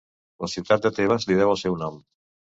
La ciutat de Tebes li deu el seu nom.